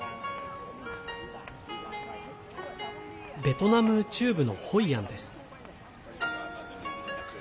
ベトナム中部のホイアンです。